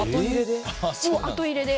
後入れで。